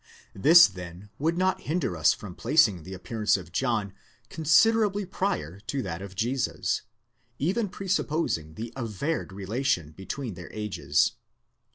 This then would not hinder us from placing the appearance of John considerably prior to that of Jesus, even presupposing the averred relation between their ages.